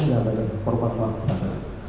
yang ada perpanjangan pada adik adik saya